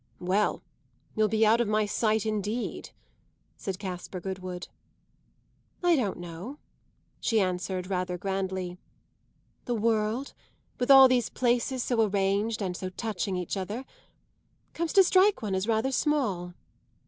"Well, you'll be out of my sight indeed!" said Caspar Goodwood. "I don't know," she answered rather grandly. "The world with all these places so arranged and so touching each other comes to strike one as rather small."